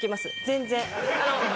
全然。